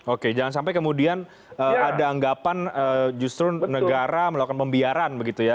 oke jangan sampai kemudian ada anggapan justru negara melakukan pembiaran begitu ya